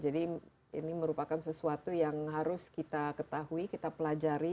jadi ini merupakan sesuatu yang harus kita ketahui kita pelajari